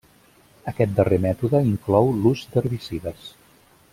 Aquest darrer mètode inclou l'ús d'herbicides.